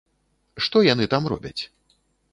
Што яны там робяць?